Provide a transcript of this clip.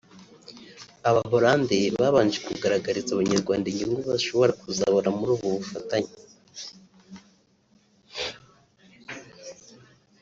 Abaholande babanje kugaragariza Abanyarwanda inyungu bashobora kuzabona muri ubu bufatanye